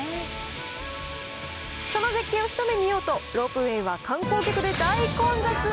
その絶景を一目見ようと、ロープウエーは観光客で大混雑。